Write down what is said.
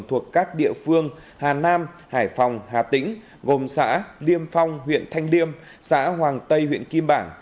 thuộc các địa phương hà nam hải phòng hà tĩnh gồm xã liêm phong huyện thanh liêm xã hoàng tây huyện kim bảng